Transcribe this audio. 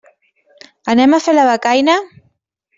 Anem a fer la becaina?